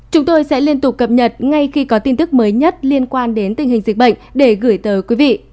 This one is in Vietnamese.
chúng tôi sẽ liên tục cập nhật ngay khi có tin tức mới nhất liên quan đến tình hình dịch bệnh để gửi tới quý vị